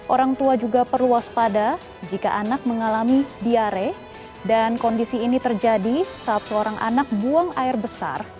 orang tua juga perlu waspada jika anak mengalami diare dan kondisi ini terjadi saat seorang anak buang air besar